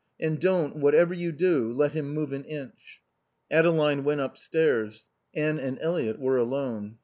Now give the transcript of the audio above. And don't, whatever you do, let him move an inch." Adeline went upstairs. Anne and Eliot were alone.